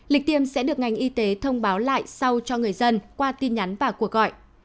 lịch tiêm sẽ được ngành y tế thông báo lại sau cho người dân qua tin nhắn và cuộc gọi